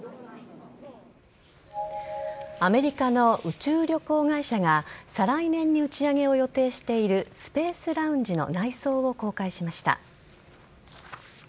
アメリカの宇宙旅行会社が再来年に打ち上げを予定しているスペースラウンジの内装を公開しました。